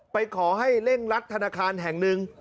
ไปขอให้เร่งรัดธนาคารแห่งหนึ่ง